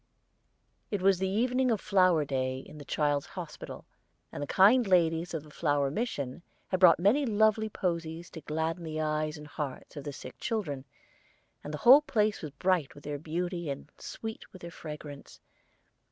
It was the evening of flower day in the Child's Hospital, and the kind ladies of the Flower Mission had brought many lovely posies to gladden the eyes and the hearts of the sick children, and the whole place was bright with their beauty and sweet with their fragrance.